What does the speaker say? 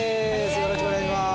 よろしくお願いします。